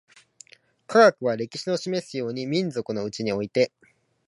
科学は、歴史の示すように、民族のうちにおいて